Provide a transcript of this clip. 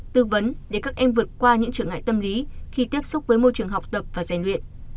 tư vấn để các em vượt qua những trường hại tâm lý khi tiếp xúc với môi trường học tập và giải luyện